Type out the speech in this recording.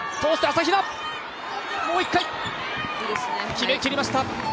決めきりました、